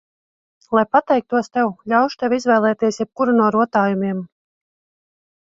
Lai pateiktos tev, ļaušu tev izvēlēties jebkuru no rotājumiem.